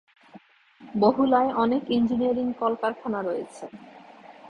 বহুলায় অনেক ইঞ্জিনিয়ারিং কলকারখানা রয়েছে।